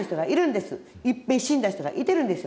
いっぺん死んだ人がいてるんですよ。